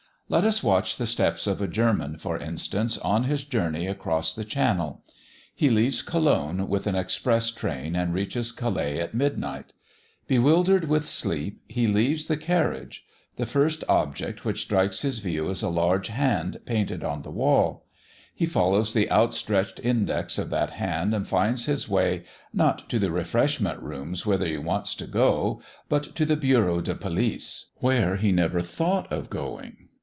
Let us watch the steps of a German, for instance, on his journey across the channel. He leaves Cologne with an express train, and reaches Calais at midnight. Bewildered with sleep, he leaves the carriage; the first object which strikes his view is a large hand painted on the wall. He follows the outstretched index of that hand and finds his way, not to the refreshment rooms whither he wants to go, but to the "Bureau de Police," where he never thought of going.